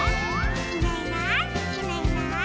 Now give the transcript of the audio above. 「いないいないいないいない」